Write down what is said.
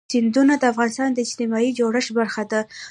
سیندونه د افغانستان د اجتماعي جوړښت برخه ده.